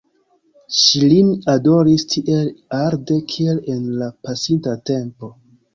Ŝi lin adoris tiel arde kiel en la pasinta tempo.